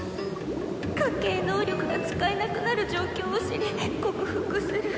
「家系能力が使えなくなる状況を知り克服する」。